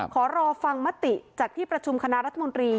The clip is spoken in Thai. ขอรอฟังมติจากที่ประชุมคณะรัฐมนตรี